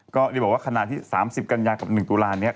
ก็บอกว่าขณะที่๓๐กันยากับ๑ตุลานี้